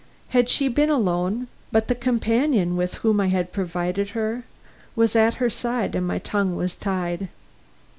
Had she been alone but the companion with whom I had provided her was at her side and my tongue was tied.